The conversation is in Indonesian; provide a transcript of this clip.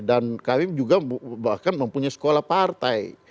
dan kami juga bahkan mempunyai sekolah partai